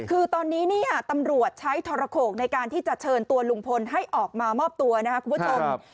คือตอนนี้เนี่ยตำรวจใช้ทรโขกในการที่จะเชิญตัวลุงพลให้ออกมามอบตัวนะครับคุณผู้ชม